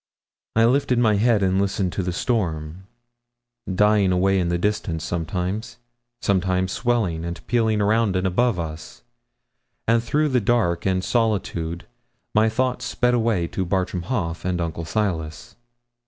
I lifted my head and listened to the storm, dying away in the distance sometimes sometimes swelling and pealing around and above us and through the dark and solitude my thoughts sped away to Bartram Haugh and Uncle Silas.